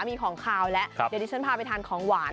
มีของขาวแล้วเดี๋ยวดิฉันพาไปทานของหวาน